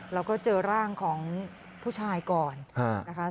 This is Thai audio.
แล้วก็เจอร่างของผู้ชายก่อนนะคะ